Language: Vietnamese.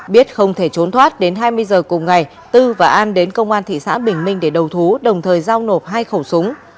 biết không thể trốn thoát đến hai mươi giờ cùng ngày tư và an đến công an thị xã bình minh để đầu thú đồng thời giao nộp hai khẩu súng